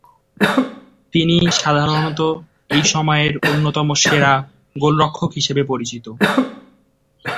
তিনি সাধারণত এই সময়ের অন্যতম সেরা গোলরক্ষক হিসেবে পরিচিত।